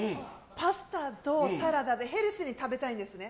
パスタとサラダでヘルシーに食べたいんですね。